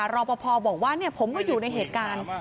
รอปภบอกว่าผมก็อยู่ในเหตุการณ์